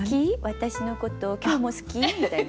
私のこと今日も好き？」みたいな。